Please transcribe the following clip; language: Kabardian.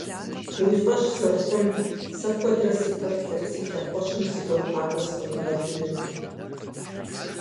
Уи фӀэщ зэрыхъун!.. Сэ куэдрэ сыпэплъэрт си лъэхъуэщым зыгуэр къакӀуэу сыкъригъэлыным.